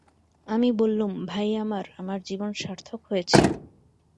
আমি বললুম, ভাই আমার, আমার জীবন সার্থক হয়েছে।